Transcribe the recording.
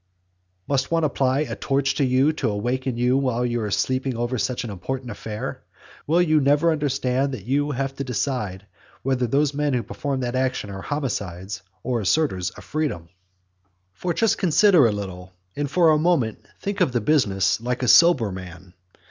Must one apply a torch to you to waken you while you are sleeping over such an important affair? Will you never understand that you have to decide whether those men who performed that action are homicides or assertors of freedom? XIII. For just consider a little; and for a moment think of the business like a sober man.